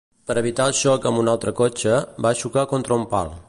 Per evitar el xoc amb un altre cotxe, va xocar contra un pal.